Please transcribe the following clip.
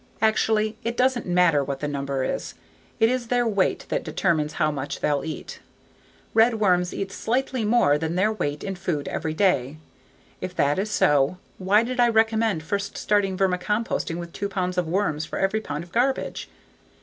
Actually it doesn't matter what the number is, it is their weight that determines how much they'll eat. Redworms eat slightly more than their weight in food every day. If that is so, why did I recommend first starting vermicomposting with two pounds of worms for every pound of garbage?